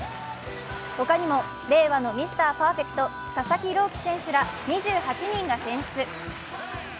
他にも令和のミスターパーフェクト、佐々木朗希選手ら２８人が選出。